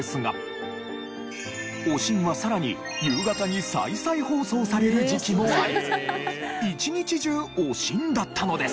『おしん』はさらに夕方に再々放送される時期もあり一日中『おしん』だったのです。